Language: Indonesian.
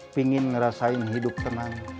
pingin ngerasain hidup tenang